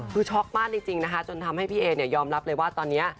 คือช็อกมากจริงนะคะจนทำให้พี่เอเนี่ยยอมรับเลยว่าตอนนี้